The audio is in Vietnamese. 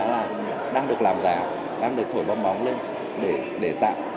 nó là đang được làm giả đang được thổi bong bóng lên để tạm